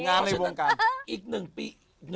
งานในวงการอีกหนึ่งปี